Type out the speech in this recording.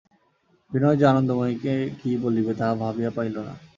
বিনয় যে আনন্দময়ীকে কী বলিবে তাহা ভাবিয়া পাইল না।